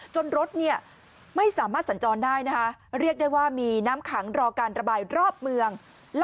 รถไม่สามารถสัญจรได้นะคะเรียกได้ว่ามีน้ำขังรอการระบายรอบเมือง